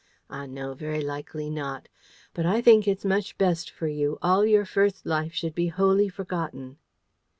Ah, no, very likely not. But I think it's much best for you, all your first life should be wholly forgotten."